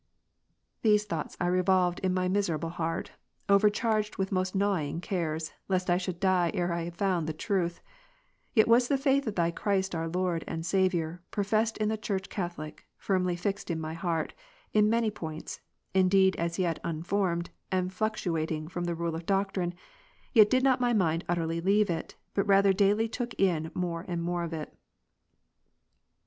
These thoughts I revolved in my miserable heart, ovei'charged with most gnawing cares, lest I should die ere I had found the truth ; yet was the faith of Thy Christ our Lord and Saviour, professed in the Church Catholic, firmly fixed in my heart, in many points, indeed, as yet unformed, and fluctuatingfromthe rule of doctrine; yet did not my mind utterly leave it, but rather daily took in more and more of it.